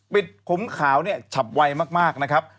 ขมขาวเนี่ยฉับไวมากนะครับ